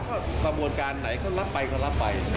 ก็กระบวนการไหนก็รับไปก็รับไป